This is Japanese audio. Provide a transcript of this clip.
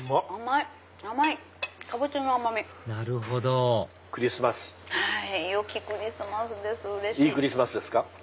いいクリスマスですか？